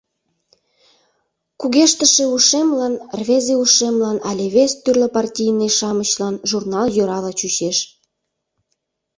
Кугештыше ушемлан, рвезе ушемлан але вес тӱрлӧ партийный-шамычлан журнал йӧрала чучеш.